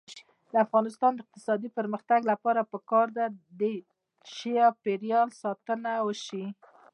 د افغانستان د اقتصادي پرمختګ لپاره پکار ده چې چاپیریال ساتنه وشي.